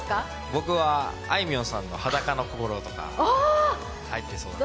僕はあいみょんさんの「裸の心」とか入ってそうだなって。